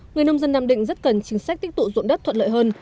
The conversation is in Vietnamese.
người nông dân nam định rất cần chính sách tích tụ dụng đất thuận lợi hơn